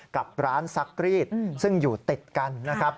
กับร้านซักรีดซึ่งอยู่ติดกันนะครับ